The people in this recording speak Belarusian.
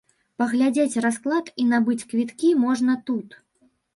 Паглядзець расклад і набыць квіткі можна тут.